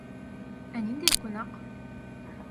Ә ниндәй ҡунаҡ?